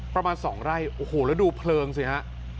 ประมาณ๒ไร่โอ้โหแล้วดูเพลิงสิฮะ